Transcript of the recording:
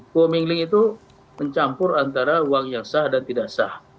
coming link itu mencampur antara uang yang sah dan tidak sah